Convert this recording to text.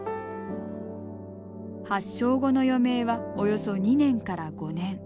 発症後の余命はおよそ２年から５年。